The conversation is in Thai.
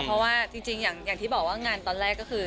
เพราะว่าจริงอย่างที่บอกว่างานตอนแรกก็คือ